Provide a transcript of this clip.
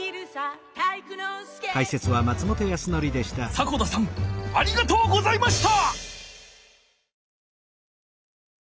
迫田さんありがとうございました！